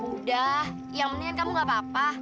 udah yang mendingan kamu gak apa apa